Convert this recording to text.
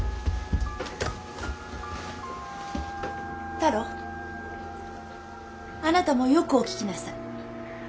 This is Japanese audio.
太郎あなたもよくお聞きなさい。